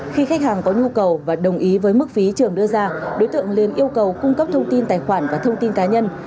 khi khách hàng có nhu cầu và đồng ý với mức phí trường đưa ra đối tượng lên yêu cầu cung cấp thông tin tài khoản và thông tin cá nhân